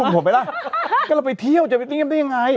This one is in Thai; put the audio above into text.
ก็เราไปเที่ยวจะไปเงียบได้ยังไง